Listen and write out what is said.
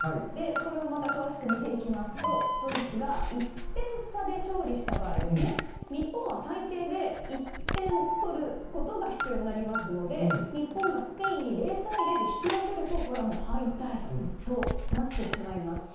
これを詳しく見ていきますとドイツが１点差で勝利した場合日本は最低で１点取ることが必要になりますので日本がスペインに０対０で引き分けると敗退となってしまいます。